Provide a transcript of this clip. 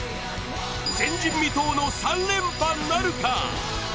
前人未到の３連覇なるか。